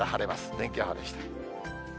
天気予報でした。